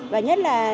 và nhất là